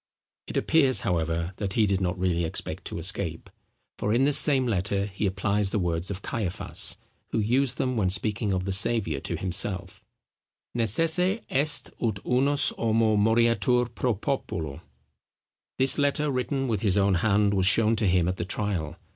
It appears, however, that he did not really expect to escape; for in this same letter he applies the words of Caiaphas, who used them when speaking of the Saviour, to himself, Necesse est ut unus homo moriatur pro populo. This letter, written with his own hand, was shown to him at the trial.